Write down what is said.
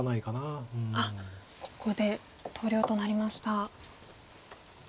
あっここで投了となりました。